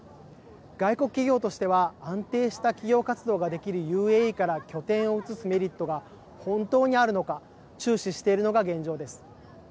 外国企業としては安定した企業活動ができるＵＡＥから拠点を移すメリットが本当にあるのか注視しているのが現状です。